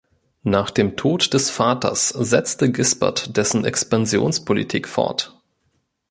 Nach dem Tod des Vaters setzte Gisbert dessen Expansionspolitik fort.